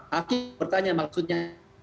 hakim bertanya maksudnya